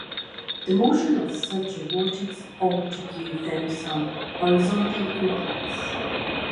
The motion of such a vortex ought to give them some horizontal impulse.